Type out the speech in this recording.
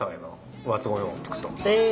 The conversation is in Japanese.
へえ。